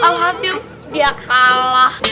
alhasil dia kalah